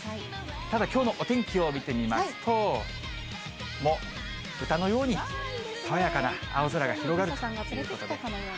ただ、きょうのお天気を見てみますと、もう歌のように爽やかな青空が広がるということで。